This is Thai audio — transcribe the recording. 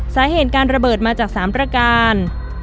สาเหตุการระเบิดมาจาก๓ประการ